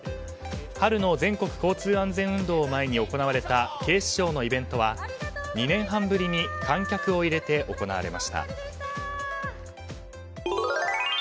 春の全国交通安全運動を前に行われた警視庁のイベントは２年半ぶりに観客を入れて行われました。